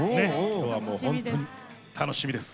今日はもう本当に楽しみです。